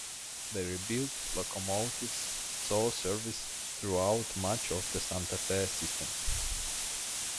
The rebuilt locomotives saw service throughout much of the Santa Fe system.